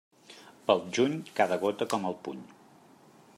Pel juny, cada gota com el puny.